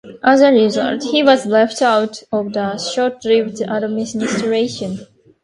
As a result, he was left out of the short-lived administration.